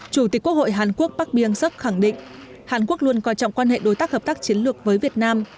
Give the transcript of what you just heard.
chủ tịch quốc hội hàn quốc park byung suk khẳng định hàn quốc luôn quan trọng quan hệ đối tác hợp tác chiến lược với việt nam